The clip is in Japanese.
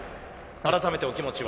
改めてお気持ちは？